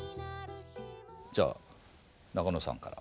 じゃあ中納さんから。